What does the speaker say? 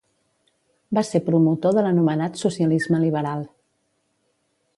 Va ser promotor de l'anomenat socialisme liberal.